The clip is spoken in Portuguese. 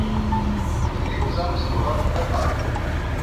Preferiu usar um celular pré-pago